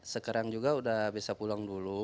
sekarang juga sudah bisa pulang dulu